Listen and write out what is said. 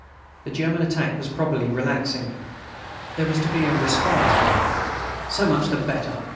The German attack was probably relaxing; there was to be a respite. So much the better!